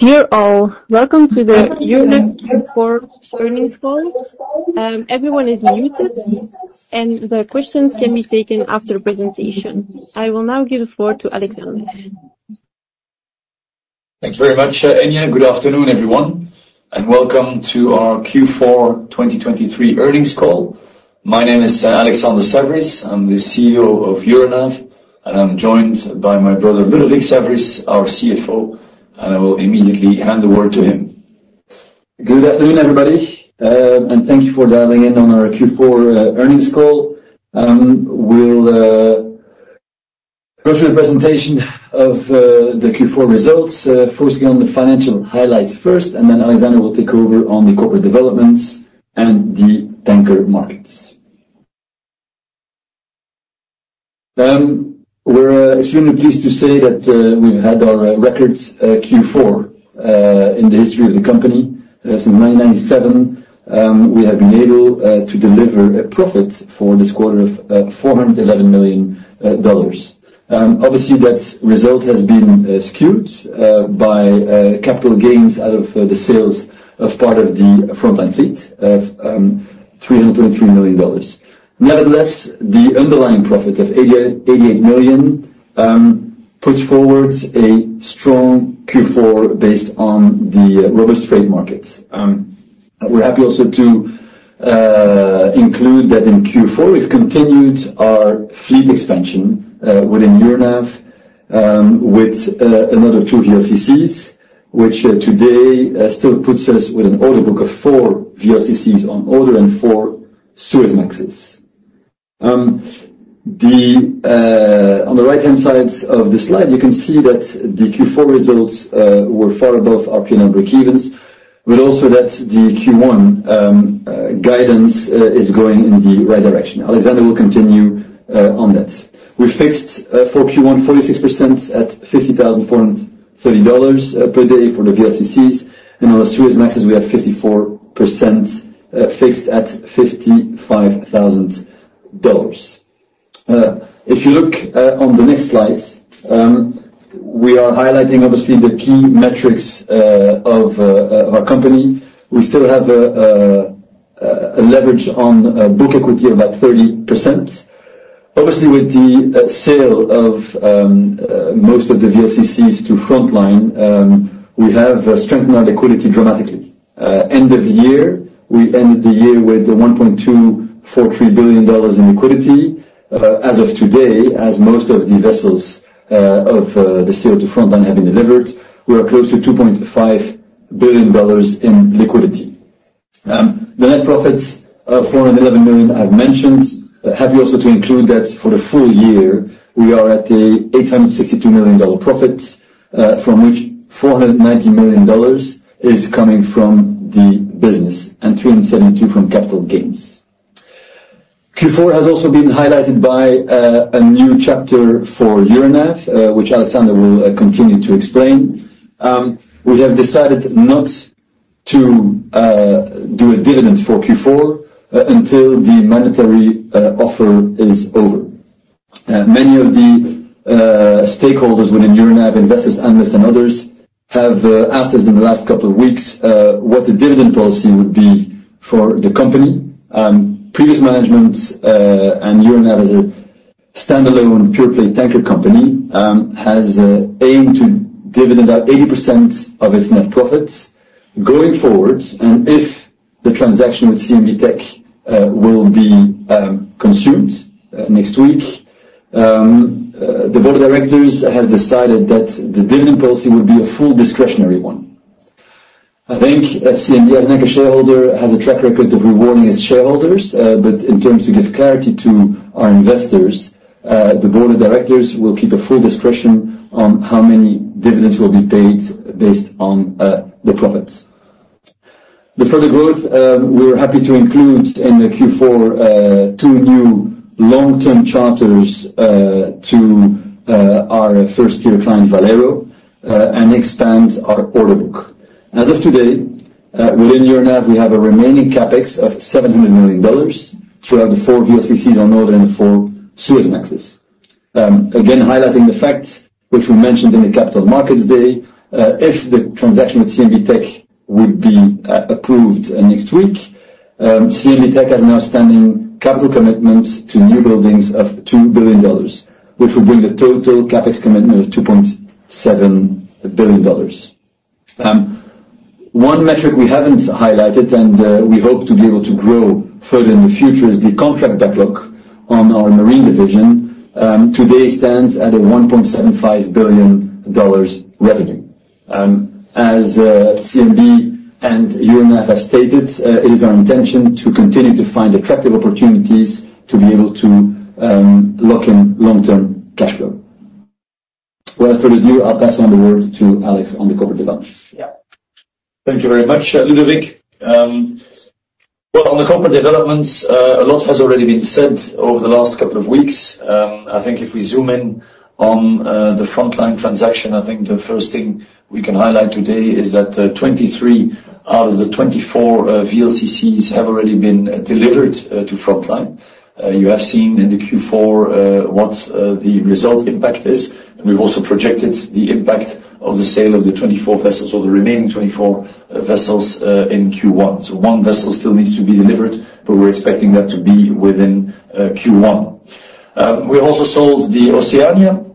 Dear all, welcome to the Euronav Q4 earnings call. Everyone is muted, and the questions can be taken after presentation. I will now give the floor to Alexander. Thank you very much, Enya. Good afternoon, everyone, and welcome to our Q4 2023 earnings call. My name is Alexander Saverys. I'm the CEO of Euronav, and I'm joined by my brother, Ludovic Saverys, our CFO, and I will immediately hand the word to him. Good afternoon, everybody, and thank you for dialing in on our Q4 earnings call. We'll go through a presentation of the Q4 results, firstly on the financial highlights first, and then Alexander will take over on the corporate developments and the tanker markets. We're extremely pleased to say that we've had our record Q4 in the history of the company. Since 1997, we have been able to deliver a profit for this quarter of $411 million. Obviously, that result has been skewed by capital gains out of the sales of part of the Frontline fleet of $323 million. Nevertheless, the underlying profit of $88 million puts forward a strong Q4 based on the robust trade markets. We're happy also to include that in Q4, we've continued our fleet expansion within Euronav with another two VLCCs, which today still puts us with an order book of four VLCCs on order and four Suezmaxes. On the right-hand side of the slide, you can see that the Q4 results were far above our P&L breakevens, but also that the Q1 guidance is going in the right direction. Alexander will continue on that. We fixed for Q1, 46% at $50,430 per day for the VLCCs, and on the Suezmaxes, we have 54% fixed at $55,000. If you look on the next slide, we are highlighting obviously the key metrics of our company. We still have a leverage on book equity of about 30%. Obviously, with the sale of most of the VLCCs to Frontline, we have strengthened our liquidity dramatically. End of year, we ended the year with $1.243 billion in liquidity. As of today, as most of the vessels of the sale to Frontline have been delivered, we are close to $2.5 billion in liquidity. The net profits of $411 million, I've mentioned. Happy also to include that for the full year, we are at a $862 million profit, from which $490 million is coming from the business, and $372 million from capital gains. Q4 has also been highlighted by a new chapter for Euronav, which Alexander will continue to explain. We have decided not to do a dividend for Q4 until the mandatory offer is over. Many of the stakeholders within Euronav, investors, analysts, and others, have asked us in the last couple of weeks what the dividend policy would be for the company. Previous management and Euronav, as a standalone, pure play tanker company, has aimed to dividend out 80% of its net profits. Going forward, and if the transaction with CMB.TECH will be consummated next week, the board of directors has decided that the dividend policy will be a fully discretionary one. I think CMB, as a shareholder, has a track record of rewarding its shareholders, but in terms to give clarity to our investors, the board of directors will keep a full discretion on how many dividends will be paid based on, the profits. The further growth, we're happy to include in the Q4, two new long-term charters, to our first-tier client, Valero, and expand our order book. As of today, within Euronav, we have a remaining CapEx of $700 million throughout the 4 VLCCs on order and the 4 Suezmaxes. Again, highlighting the fact which we mentioned in the Capital Markets Day, if the transaction with CMB.TECH would be approved next week, CMB.TECH has an outstanding capital commitment to newbuildings of $2 billion, which will bring the total CapEx commitment of $2.7 billion. One metric we haven't highlighted, and we hope to be able to grow further in the future, is the contract backlog on our marine division, today stands at a $1.75 billion revenue. As CMB and Euronav have stated, it is our intention to continue to find attractive opportunities to be able to lock in long-term cash flow. Without further ado, I'll pass on the word to Alex on the corporate development. Yeah. Thank you very much, Ludovic. Well, on the corporate developments, a lot has already been said over the last couple of weeks. I think the Frontline transaction, I think the first thing we can highlight today is that, 23 out of the 24 VLCCs have already been delivered to Frontline. You have seen in the Q4 what the result impact is, and we've also projected the impact of the sale of the 24 vessels, or the remaining 24 vessels, in Q1. So one vessel still needs to be delivered, but we're expecting that to be within Q1. We also sold the Oceania,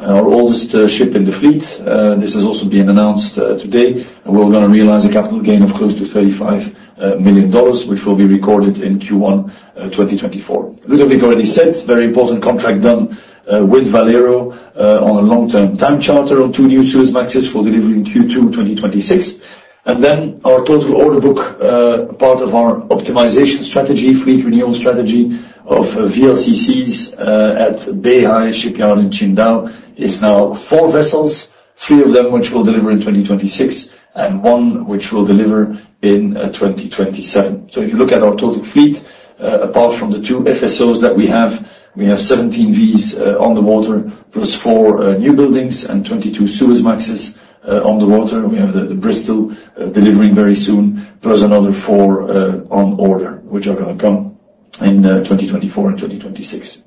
our oldest ship in the fleet. This has also been announced today, and we're gonna realize a capital gain of close to $35 million, which will be recorded in Q1 2024. Ludovic already said, very important contract done with Valero on a long-term time charter on two new Suezmaxes for delivery in Q2 2026. And then our total order book, part of our optimization strategy, fleet renewal strategy of VLCCs at Beihai Shipyard in Qingdao, is now four vessels, three of them which will deliver in 2026, and one which will deliver in 2027. So if you look at our total fleet, apart from the two FSOs that we have, we have 17 Vs on the water, plus four newbuildings and 22 Suezmaxes on the water. We have the Bristol delivering very soon. There is another four on order, which are gonna come in 2024 and 2026.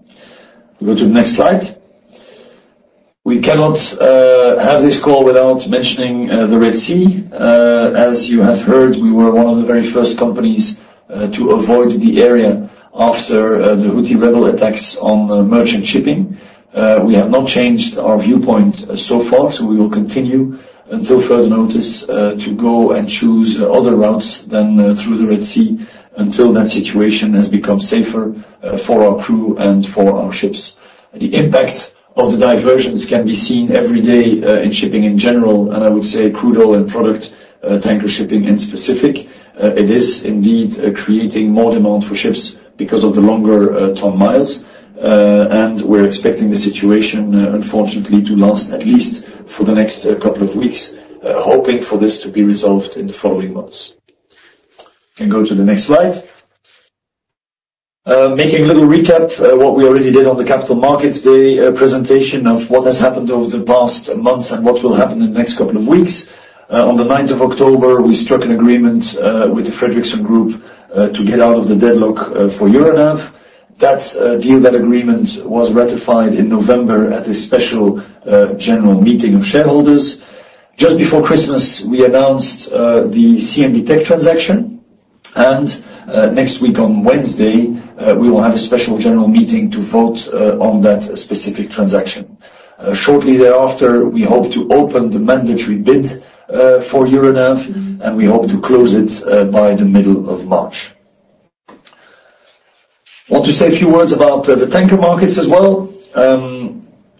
We go to the next slide. We cannot have this call without mentioning the Red Sea. As you have heard, we were one of the very first companies to avoid the area after the Houthi rebel attacks on merchant shipping. We have not changed our viewpoint so far, so we will continue until further notice to go and choose other routes than through the Red Sea until that situation has become safer for our crew and for our ships. The impact of the diversions can be seen every day in shipping in general, and I would say crude oil and product tanker shipping in specific. It is indeed creating more demand for ships because of the longer ton-miles. We're expecting the situation, unfortunately, to last at least for the next couple of weeks, hoping for this to be resolved in the following months. You can go to the next slide. Making a little recap what we already did on the capital markets, the presentation of what has happened over the past months and what will happen in the next couple of weeks. On the ninth of October, we struck an agreement with the Fredriksen Group to get out of the deadlock for Euronav. That deal, that agreement was ratified in November at a special general meeting of shareholders. Just before Christmas, we announced the CMB.TECH transaction, and next week on Wednesday, we will have a special general meeting to vote on that specific transaction. Shortly thereafter, we hope to open the mandatory bid for Euronav, and we hope to close it by the middle of March. I want to say a few words about the tanker markets as well.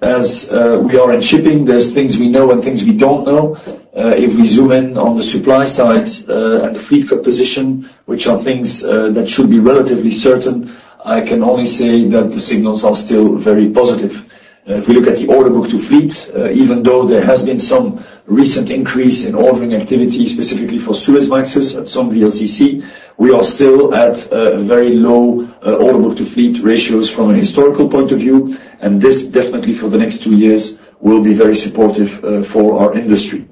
As we are in shipping, there's things we know and things we don't know. If we zoom in on the supply side and the fleet composition, which are things that should be relatively certain, I can only say that the signals are still very positive. If we look at the order book to fleet, even though there has been some recent increase in ordering activity, specifically for Suezmaxes and some VLCC, we are still at very low order book to fleet ratios from a historical point of view, and this definitely for the next two years will be very supportive for our industry.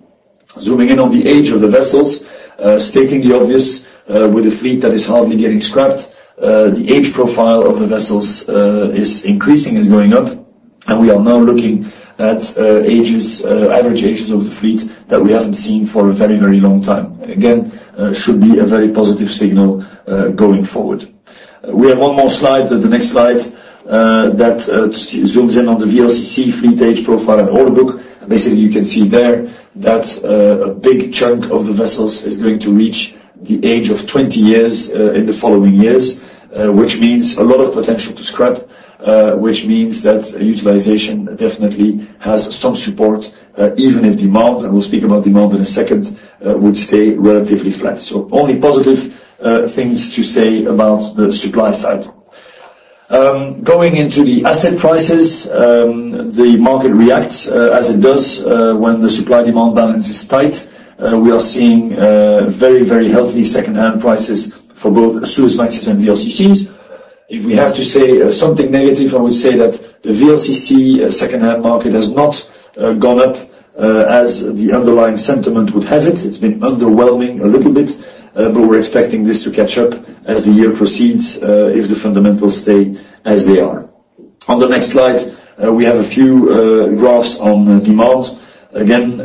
Zooming in on the age of the vessels, stating the obvious, with a fleet that is hardly getting scrapped, the age profile of the vessels is increasing, is going up, and we are now looking at ages, average ages of the fleet that we haven't seen for a very, very long time. Again, should be a very positive signal going forward. We have one more slide, the next slide, that zooms in on the VLCC fleet age profile and order book. Basically, you can see there that a big chunk of the vessels is going to reach the age of 20 years in the following years, which means a lot of potential to scrap, which means that utilization definitely has some support, even if demand, and we'll speak about demand in a second, would stay relatively flat. So only positive things to say about the supply side. Going into the asset prices, the market reacts as it does when the supply-demand balance is tight. We are seeing very, very healthy secondhand prices for both Suezmaxes and VLCCs. If we have to say something negative, I would say that the VLCC secondhand market has not gone up as the underlying sentiment would have it. It's been underwhelming a little bit, but we're expecting this to catch up as the year proceeds if the fundamentals stay as they are. On the next slide, we have a few graphs on demand. Again,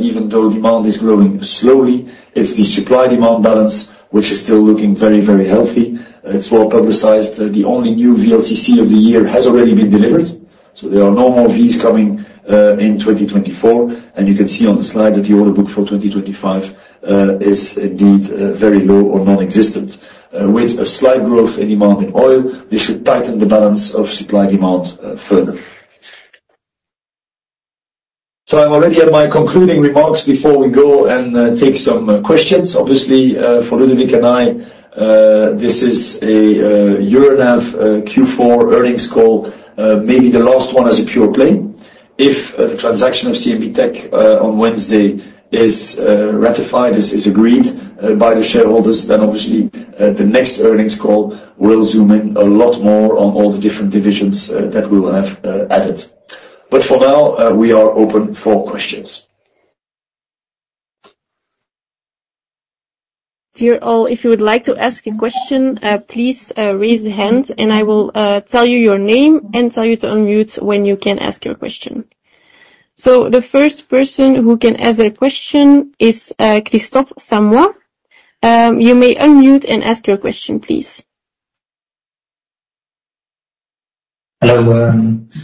even though demand is growing slowly, it's the supply-demand balance, which is still looking very, very healthy. It's well-publicized that the only new VLCC of the year has already been delivered, so there are no more Vs coming in 2024. And you can see on the slide that the order book for 2025 is indeed very low or non-existent. With a slight growth in demand in oil, this should tighten the balance of supply-demand further. So I'm already at my concluding remarks before we go and take some questions. Obviously, for Ludovic and I, this is a Euronav Q4 earnings call, maybe the last one as a pure play. If the transaction of CMB.TECH on Wednesday is ratified, is agreed by the shareholders, then obviously, the next earnings call will zoom in a lot more on all the different divisions that we will have added. But for now, we are open for questions. Dear all, if you would like to ask a question, please, raise your hand, and I will tell you your name and tell you to unmute when you can ask your question. So the first person who can ask a question is, Kristof Samoy. You may unmute and ask your question, please. Hello,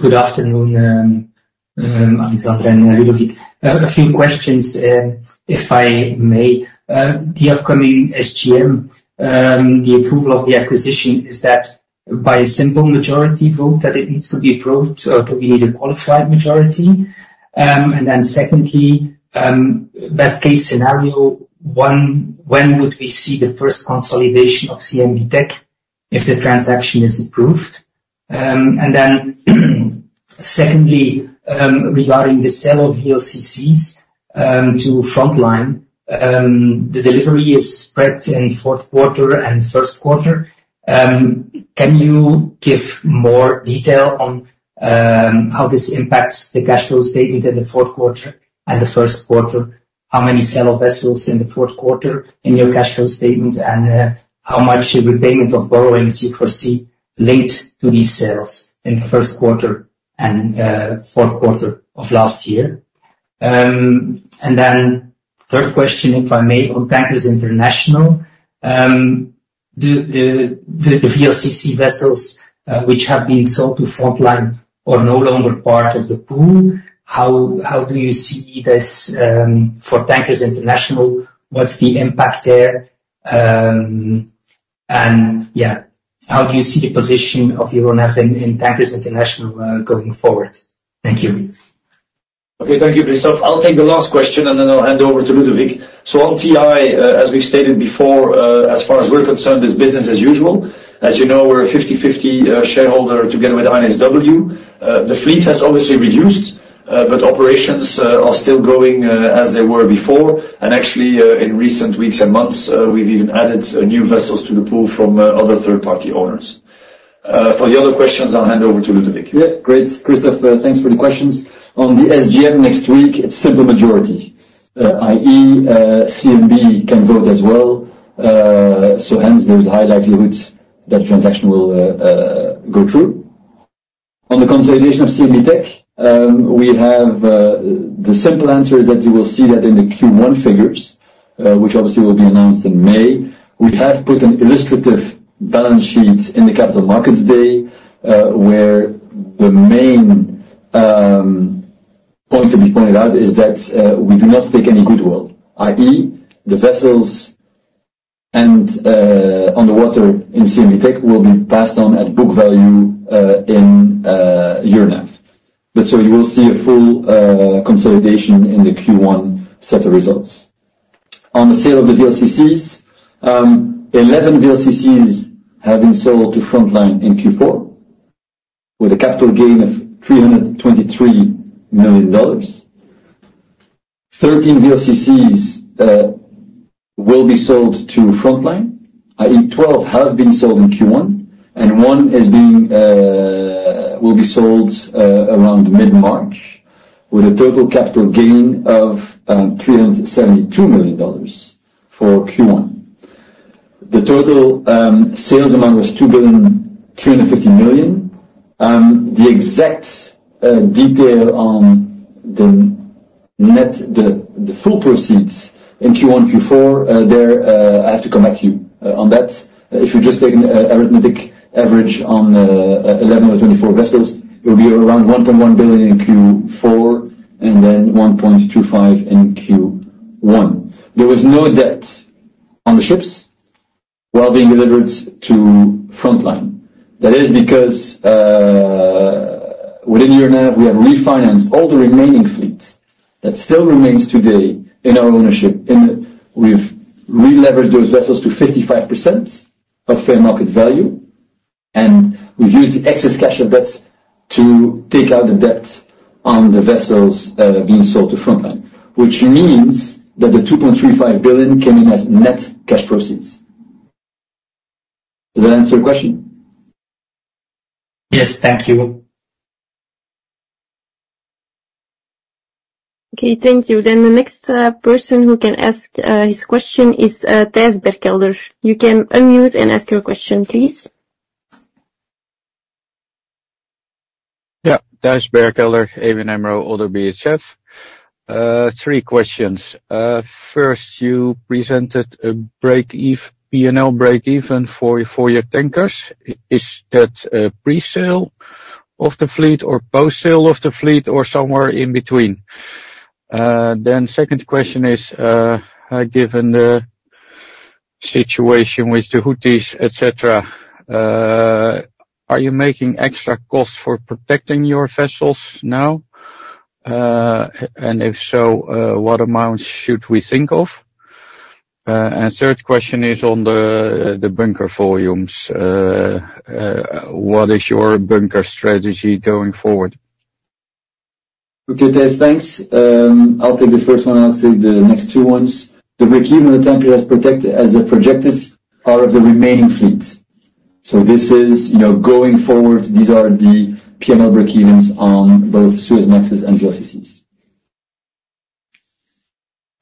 good afternoon, Alexander and Ludovic. A few questions, if I may. The upcoming SGM, the approval of the acquisition, is that by a simple majority vote that it needs to be approved, or do we need a qualified majority? And then secondly, best case scenario, one, when would we see the first consolidation of CMB.TECH if the transaction is approved? And then, secondly, regarding the sale of VLCCs, to Frontline, the delivery is spread in fourth quarter and first quarter. Can you give more detail on, how this impacts the cash flow statement in the fourth quarter and the first quarter? How many sale of vessels in the fourth quarter in your cash flow statement? How much repayment of borrowings you foresee linked to these sales in the first quarter and fourth quarter of last year? And then third question, if I may, on Tankers International. The VLCC vessels which have been sold to Frontline are no longer part of the pool. How do you see this for Tankers International? What's the impact there? And how do you see the position of Euronav in Tankers International going forward? Thank you. Okay. Thank you, Kristof. I'll take the last question, and then I'll hand over to Ludovic. So on TI, as we've stated before, as far as we're concerned, is business as usual. As you know, we're a 50/50 shareholder together with INSW. The fleet has obviously reduced, but operations are still going as they were before. And actually, in recent weeks and months, we've even added new vessels to the pool from other third-party owners. For the other questions, I'll hand over to Ludovic. Yeah, great. Kristof, thanks for the questions. On the SGM next week, it's simple majority, i.e., CMB can vote as well. So hence, there's a high likelihood that transaction will go through. On the consolidation of CMB.TECH, the simple answer is that you will see that in the Q1 figures, which obviously will be announced in May. We have put an illustrative balance sheet in the Capital Markets Day, where the main point to be pointed out is that we do not take any goodwill, i.e., the vessels and on the water in CMB.TECH will be passed on at book value in Euronav. But so you will see a full consolidation in the Q1 set of results. On the sale of the VLCCs, 11 VLCCs have been sold to Frontline in Q4, with a capital gain of $323 million. Thirteen VLCCs will be sold to Frontline, i.e., 12 have been sold in Q1, and one will be sold around mid-March, with a total capital gain of $372 million for Q1. The total sales amount was $2.35 billion. The exact detail on the net, the full proceeds in Q1 and Q4, there I have to come back to you on that. If you just take an arithmetic average on 11 or 24 vessels, it will be around $1.1 billion in Q4 and then $1.25 billion in Q1. There was no debt on the ships while being delivered to Frontline. That is because, within Euronav, we have refinanced all the remaining fleets that still remains today in our ownership. And we've releveraged those vessels to 55% of fair market value, and we've used the excess cash of that to take out the debt on the vessels, being sold to Frontline, which means that the $2.35 billion came in as net cash proceeds. Does that answer your question? Yes. Thank you. Okay, thank you. Then the next person who can ask his question is Thijs Berkelder. You can unmute and ask your question, please. Yeah. Thijs Berkelder, ABN AMRO Oddo BHF. Three questions. First, you presented a breakeven P&L breakeven for your, for your tankers. Is that, pre-sale of the fleet, or post-sale of the fleet, or somewhere in between? Then second question is, given the situation with the Houthis, et cetera, are you making extra costs for protecting your vessels now? And if so, what amount should we think of? And third question is on the, the bunker volumes. What is your bunker strategy going forward? Okay, Thijs, thanks. I'll take the first one, and I'll take the next two ones. The breakeven on the tankers, as projected, are of the remaining fleet. So this is, you know, going forward, these are the P&L breakevens on both Suezmaxes and VLCCs.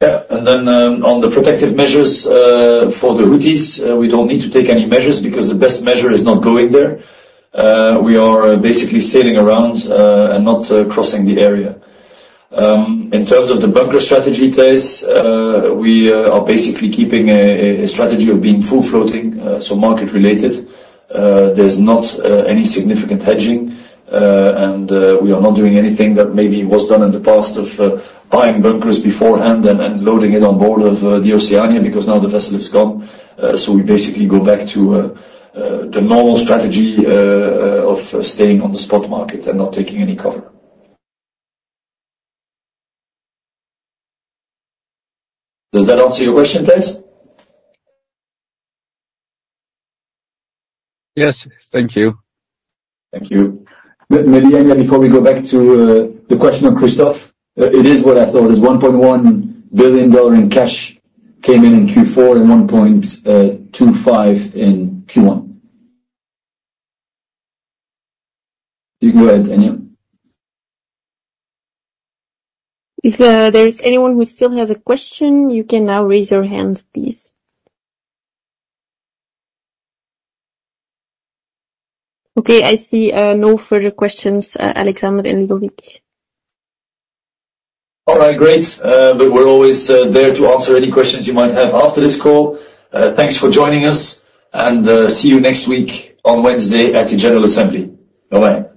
Yeah, and then, on the protective measures, for the Houthis, we don't need to take any measures because the best measure is not going there. We are basically sailing around, and not crossing the area. In terms of the bunker strategy, Thijs, we are basically keeping a strategy of being full floating, so market-related. There's not any significant hedging, and we are not doing anything that maybe was done in the past of buying bunkers beforehand and loading it on board of the Oceania, because now the vessel is gone. So we basically go back to the normal strategy of staying on the spot market and not taking any cover. Does that answer your question, Thijs? Yes. Thank you. Thank you. Maybe, Enya, before we go back to the question of Kristof, it is what I thought. It's $1.1 billion in cash came in in Q4 and $1.25 billion in Q1. You go ahead, Enya. If there's anyone who still has a question, you can now raise your hand, please. Okay, I see no further questions, Alexander and Ludovic. All right, great. But we're always there to answer any questions you might have after this call. Thanks for joining us, and see you next week on Wednesday at the General Assembly. Bye-bye. Thanks. Bye.